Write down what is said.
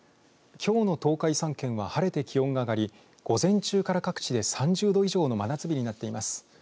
きょうの東海３県は晴れて気温が上がり午前中から各地で３０度以上の真夏日になっています。